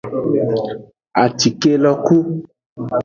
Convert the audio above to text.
Acike lo ku.